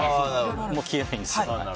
もう消えないんですよ。